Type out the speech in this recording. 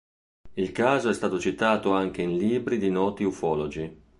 Il caso è stato citato anche in libri di noti ufologi.